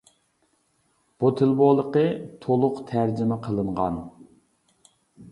بۇ تىل بولىقى تولۇق تەرجىمە قىلىنغان.